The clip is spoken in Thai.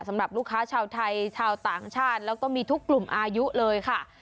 สำหรับลูกค้าชาวไทยชาวต่างชาติแล้วก็มีทุกกลุ่มอายุเลยค่ะ